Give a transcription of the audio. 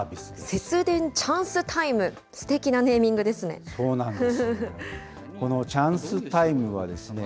節電チャンスタイム、すてきなネーミングですね。